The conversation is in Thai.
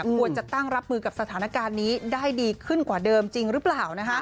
ควรจะตั้งรับมือกับสถานการณ์นี้ได้ดีขึ้นกว่าเดิมจริงหรือเปล่า